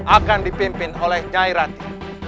akan dipimpin oleh nyai rati